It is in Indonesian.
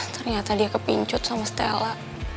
ternyata dia kepincut sama stella